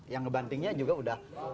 yang ngebantingnya juga udah